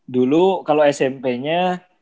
dulu kalau smp nya